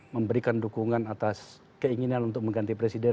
memberikan dukungan atas keinginan untuk mengganti presiden